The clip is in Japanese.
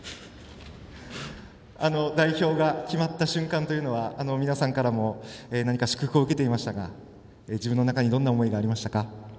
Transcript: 代表が決まった瞬間というのは皆さんからも祝福を受けていましたが自分の中にどんな思いがありましたか。